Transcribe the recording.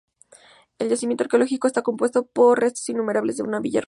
El yacimiento arqueológico está compuesto por restos inmuebles de una villa romana.